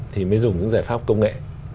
thì mới dùng những giải pháp công nghệ